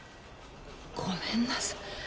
ごめんなさい。